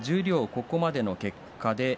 ここまでの結果です。